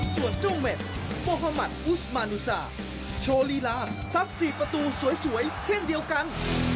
ส่วนจุ่มเม็ดโภฮมัตต์อุสมานุสาโชลีราทรัพย์๔ประตูสวยเช่นเดียวกัน